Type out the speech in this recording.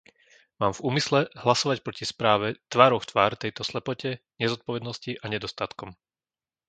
Mám v úmysle hlasovať proti správe tvárou v tvár tejto slepote, nezodpovednosti a nedostatkom.